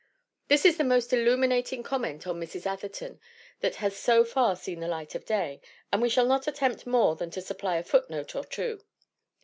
This is the most illuminating comment on Mrs. Atherton that has so far seen the light of day, and we shall not attempt more than to supply a footnote or two.